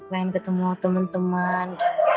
gitu keren ketemu temen temen